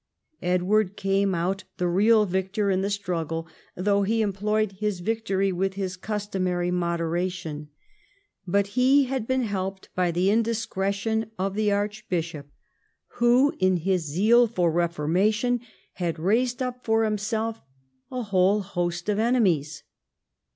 Edward came out the real victor in the struggle, though he employed his victory with his customary moderation. But he had been helped by the indiscretion of the archbishop, who, in his zeal IX EDWARD AND THE CHURCH 159 for reformation, had raised up for himself a whole host of enemies.